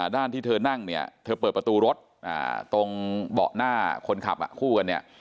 ด้านที่เธอนั่งเนี่ยเธอเปิดประตูรถตรงเบาะหน้าคนขับคู่กันเนี่ย